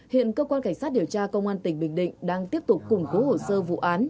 hiện cơ quan cảnh sát điều tra công an tỉnh bình định đang tiếp tục củng cố hồ sơ vụ án